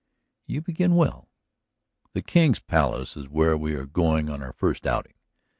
"You begin well." "The King's Palace is where we are going on our first outing.